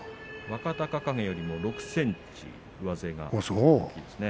若隆景よりも６ｃｍ大きいですね。